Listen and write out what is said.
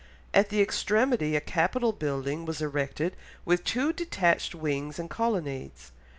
At the extremity a capital building was erected with two detached wings, and colonnades.